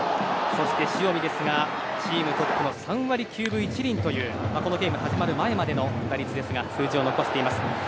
そして塩見ですがチームトップの３割９分１厘というこのゲーム始まる前までの打率数字を残しています。